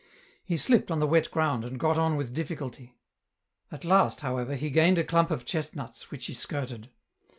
He slipped on the wet ground, and got on with difficulty. At last, however, he gained a clump of chestnuts, which he skirted.